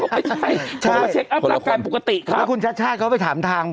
ไม่ใช่เพราะว่าเช็คอัพรับการปกติครับแล้วคุณชัดชาติเขาไปถามทาง